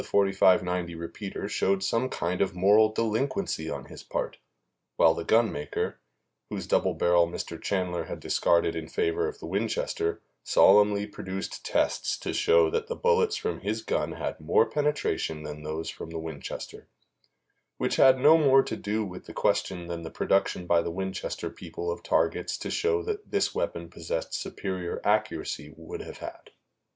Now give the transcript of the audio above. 45 90 repeater showed some kind of moral delinquency on his part; while the gun maker, whose double barrel Mr. Chanler had discarded in favor of the Winchester, solemnly produced tests to show that the bullets from his gun had more penetration than those from the Winchester which had no more to do with the question than the production by the Winchester people of targets to show that this weapon possessed superior accuracy would have had.